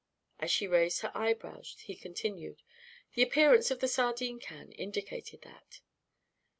As she raised her eyebrows, he continued. "The appearance of the sardine can indicated that."